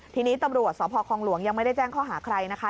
ทีนี้ตำรวจสพคองหลวงยังไม่ได้แจ้งข้อหาใครนะคะ